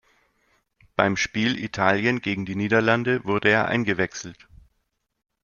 Beim Spiel Italien gegen die Niederlande wurde er eingewechselt.